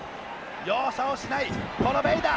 容赦をしないこのベイダー。